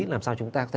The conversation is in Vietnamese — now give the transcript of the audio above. làm sao chúng ta có thể